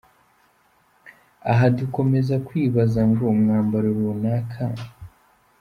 Aha dukomeze kwibaza ngo umwambaro runaka.